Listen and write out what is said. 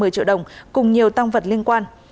một mươi triệu đồng cùng nhiều tăng vật liên quan